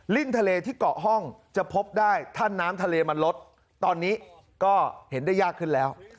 ทะเลที่เกาะห้องจะพบได้ถ้าน้ำทะเลมันลดตอนนี้ก็เห็นได้ยากขึ้นแล้ว